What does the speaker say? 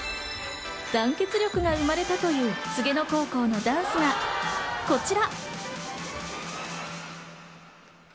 団結力が生まれたという黄柳野高校のダンスがこちら。